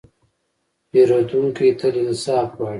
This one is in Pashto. پیرودونکی تل انصاف غواړي.